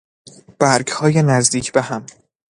برگهای نزدیک به هم